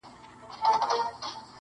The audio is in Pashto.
o رابولې زر مخونه د خپل مخ و تماشې ته,